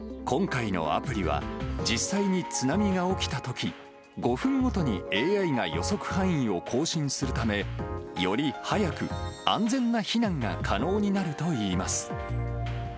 今回のアプリは、実際に津波が起きたとき、５分ごとにＡＩが予測範囲を更新するため、より早く安全な避難が可能になるといいます。